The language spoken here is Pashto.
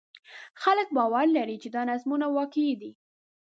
خلک باور لري چې دا نظمونه واقعي دي.